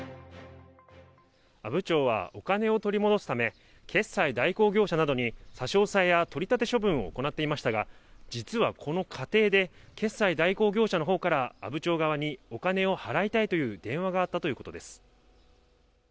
阿武町は、お金を取り戻すため、決済代行業者などに差し押さえや取り立て処分を行っていましたが、実はこの過程で、決済代行業者のほうから阿武町側にお金を払いたいという電話があったということです。